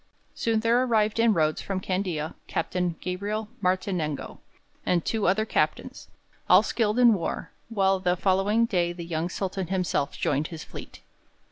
Soon there arrived in Rhodes, from Candia, Captain Gabriel Martinengo and two other captains, all skilled in war, while the following day the young Sultan himself joined his fleet.